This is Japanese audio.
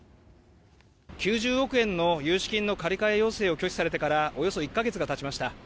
９０億円の融資金の借り換え要請を拒否されてからおよそ１か月がたちました。